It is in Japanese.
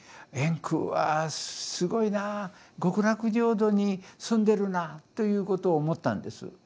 円空はすごいなぁ極楽浄土に住んでるなということを思ったんです。